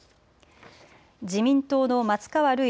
自民党の松川るい